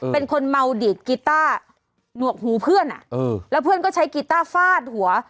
เป็นคนเมาดีดกีต้าหนวกหูเพื่อนแล้วเพื่อนก็ใช้กีต้าฟาดหัว